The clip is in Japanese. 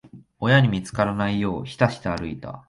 親に見つからないよう、ひたひた歩いてた。